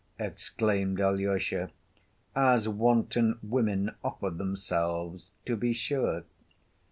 exclaimed Alyosha. "As wanton women offer themselves, to be sure."